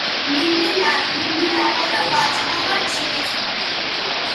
მიმდინარეობდა ვაჭრობა ჩინეთთან.